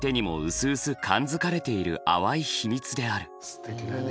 すてきだね。